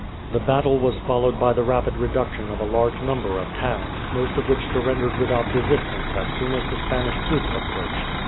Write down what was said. The battle was followed by the rapid reduction of a large number of towns, most of which surrendered without resistance as soon as the Spanish troops approached.